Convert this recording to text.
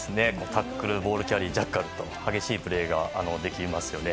タックル、ボールキャリージャッカルと激しいプレーができますよね。